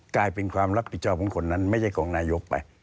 กลายเป็นความรับผิดชอบของคนนั้นไม่ใช่ของนายกไป